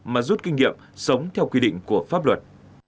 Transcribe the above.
mà rút kinh nghiệm sống theo quy định của pháp luật